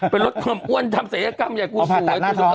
เป็นรถบ่นอ้วนทำเสียกรรมอย่างเค้าผ่าตัดหน้าท้อง